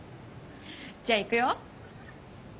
じゃあいくよ。